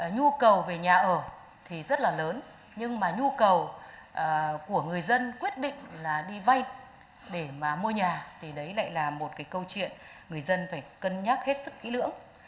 nhu cầu về nhà ở thì rất là lớn nhưng mà nhu cầu của người dân quyết định là đi vay để mà mua nhà thì đấy lại là một cái câu chuyện người dân phải cân nhắc hết sức kỹ lưỡng